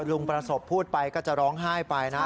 ลุงประสบพูดไปก็จะร้องไห้ไปนะ